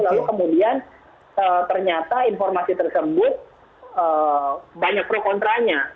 lalu kemudian ternyata informasi tersebut banyak pro kontranya